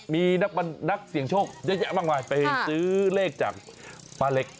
มีนักเสี่ยงโชคเยอะแยะมากมายไปซื้อเลขจากป้าเล็ก